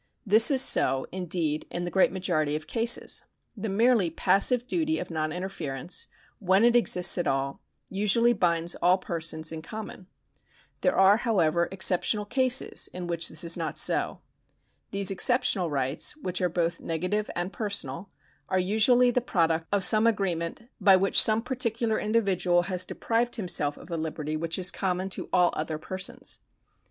This is so, indeed, in the great majority of cases. The merely passive duty of non interference, when it exists at all, usually binds all persons in common. There are, however, exceptional cases in which this is not so. These exceptional rights, which are both negative and personal, are usually the product of some agreement by which some particular individual has deprived himself of a liberty which is common to all other persons.